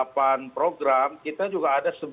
penerapan program kita juga ada